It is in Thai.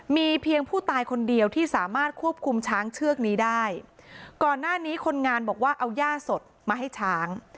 มีเพียงผู้ตายคนเดียวที่สามารถควบคุมช้างเชือกนี้ได้ก่อนหน้านี้คนงานบอกว่าเอาย่าสดมาให้ช้าง